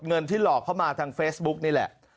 เงินที่หลอกเข้ามาทางเฟซบุ๊กนี่แหละ